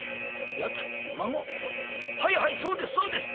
はいはいそうですそうです。